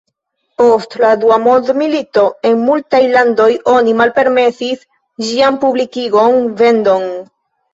Post la dua mondmilito, en multaj landoj oni malpermesis ĝian publikigon, vendon.